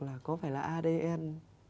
là có phải là adn